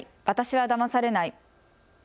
私はだまされない。